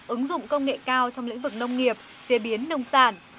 ứng dụng công nghệ cao trong lĩnh vực nông nghiệp chế biến nông sản